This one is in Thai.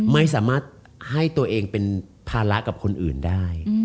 ไม่สามารถให้ตัวเองเป็นภาระกับคนอื่นได้